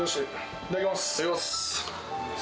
いただきます。